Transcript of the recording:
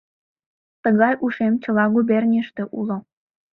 Тыгай ушем чыла губернийыште уло.